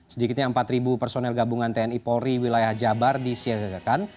sedikitnya empat personel gabungan tni polri wilayah jabar disiagakan